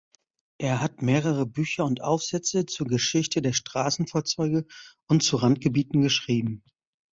Er hat mehrere Bücher und Aufsätze zur Geschichte der Straßenfahrzeuge und zu Randgebieten geschrieben.